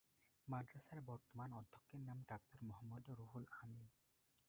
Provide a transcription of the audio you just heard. মাদ্রাসার বর্তমান অধ্যক্ষের নাম ডাক্তার মোহাম্মদ রুহুল আমিন।